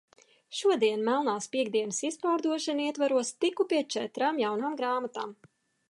Šodien melnās piektdienas izpārdošanu ietvaros tiku pie četrām jaunām grāmatām.